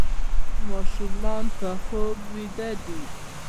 ماشوم په خوب ویده دی.